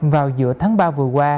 vào giữa tháng ba vừa qua